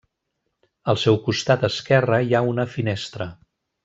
Al seu costat esquerre hi ha una finestra.